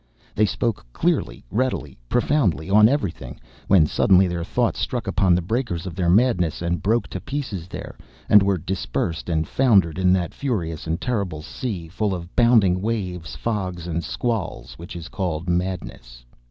They spoke clearly, readily, profoundly, on everything, when suddenly their thoughts struck upon the breakers of their madness and broke to pieces there, and were dispersed and foundered in that furious and terrible sea, full of bounding waves, fogs and squalls, which is called madness.